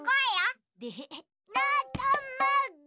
なたまご。